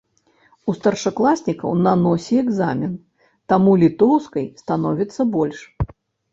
У старшакласнікаў на носе экзамен, таму літоўскай становіцца больш.